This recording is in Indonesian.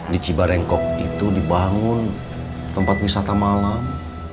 di cibarengkok itu dibangun tempat wisata malam